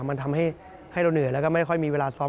มันทำให้เราเหนื่อยแล้วก็ไม่ค่อยมีเวลาซ้อม